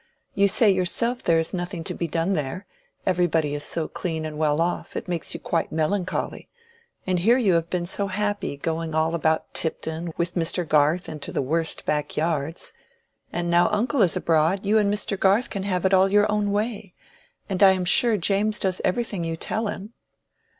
You say yourself there is nothing to be done there: everybody is so clean and well off, it makes you quite melancholy. And here you have been so happy going all about Tipton with Mr. Garth into the worst backyards. And now uncle is abroad, you and Mr. Garth can have it all your own way; and I am sure James does everything you tell him."